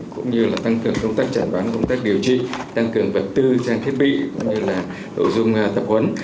cũng như là tăng cường công tác chản bán công tác điều trị tăng cường vật tư trang thiết bị cũng như là tổ dung tập huấn